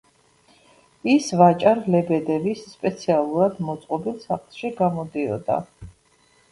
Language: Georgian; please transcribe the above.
ის ვაჭარ ლებედევის სპეციალურად მოწყობილ სახლში გამოდიოდა.